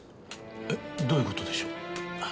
えっどういう事でしょう？